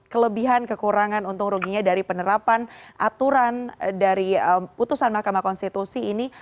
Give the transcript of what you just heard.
kelebihan kekurangan untung ruginya dari penerapan aturan dari putusan mahkamah konstitusi ini